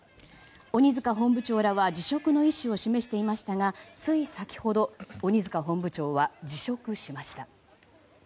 鬼塚本部長らは辞職の意思を示していましたがつい先ほど、鬼塚本部長は辞職しました。